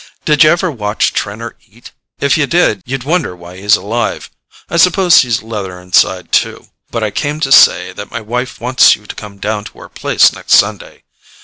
Did you ever watch Trenor eat? If you did, you'd wonder why he's alive; I suppose he's leather inside too.—But I came to say that my wife wants you to come down to our place next Sunday.